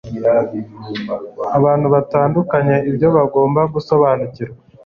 abantu batandukanye ibyo bagomba gusobanukirwa